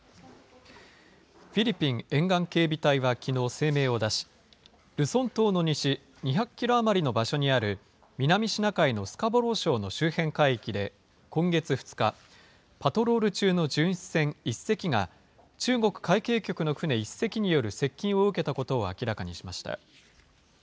フィリピン沿岸警備隊は、きのう、声明を出し、ルソン島の西２００キロ余りの場所にある、南シナ海のスカボロー礁の周辺海域で、今月２日、パトロール中の巡視船１隻が、中国海警局の船１隻による接近を受けたことを明らかにしました。